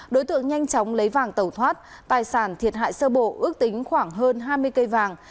đối tượng nhanh chóng lấy vàng tẩu thoát tài sản thiệt hại sơ bộ ước tính khoảng hơn hai mươi cây vàng